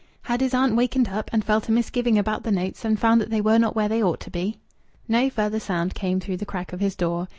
Had his aunt wakened up, and felt a misgiving about the notes, and found that they were not where they ought to be? No further sound came though the crack of his door.